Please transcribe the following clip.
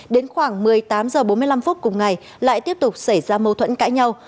đến khoảng một mươi tám h bốn mươi năm phút cùng ngày lại tiếp tục xảy ra mâu thuẫn cãi nhau